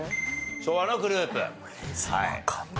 昭和のグループはい。